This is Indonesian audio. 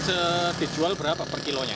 dijual berapa per kilonya